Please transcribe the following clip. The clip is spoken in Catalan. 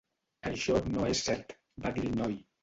"Això no és cert", va dir el noi.